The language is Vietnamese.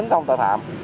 nhất là cái tội phạm